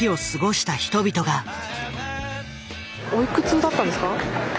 おいくつだったんですか？